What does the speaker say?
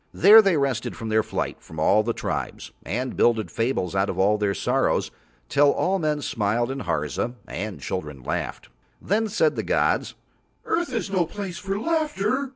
There they rested from their flight from all the tribes, and builded fables out of all their sorrows till all men smiled in Harza and children laughed. Then said the gods, "Earth is no place for laughter."